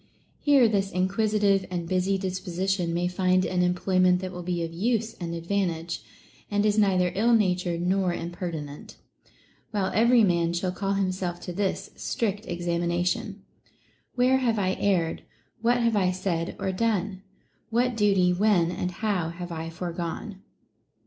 Here this inquisitive and busy disposition may find an employment that will be of use and advantage, and is neither ill natured nor imperti nent ; while every man shall call himself to this strict examination : Where have I err'd 1 What have I said, or done 1 What duty, when, and how have I foregone